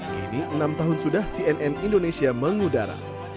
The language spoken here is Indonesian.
kini enam tahun sudah cnn indonesia mengudara